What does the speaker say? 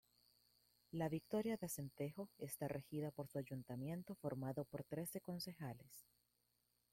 La Victoria de Acentejo está regida por su ayuntamiento, formado por trece concejales.